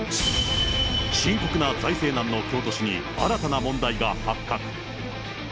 深刻な財政難の京都市に、新たな問題が発覚。